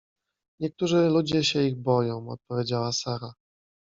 — Niektórzy ludzie się ich boją — odpowiedziała Sara.